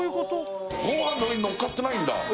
ご飯の上にのっかってないんだ